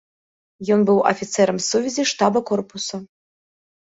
Ён быў афіцэрам сувязі штаба корпуса.